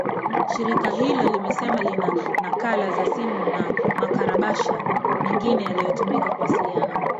shirika hilo limesema lina nakala za simu na makabrasha mingine yaliotumika kuwasiliana